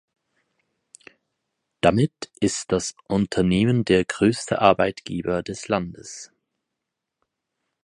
Damit ist das Unternehmen der größte Arbeitgeber des Landes.